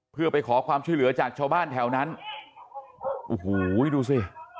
เพื่อไปขอความช่วยเหลือจากชาวบ้านแถวนั้นโอ้โหดูสิ